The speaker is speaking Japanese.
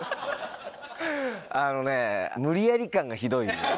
あのね無理やり感がひどい。